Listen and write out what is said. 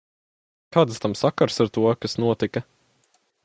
Kāds tam sakars ar to, kas notika?